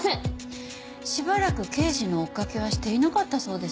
しばらく刑事の追っかけはしていなかったそうですね。